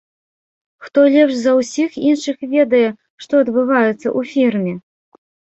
Хто лепш за ўсіх іншых ведае, што адбываецца ў фірме?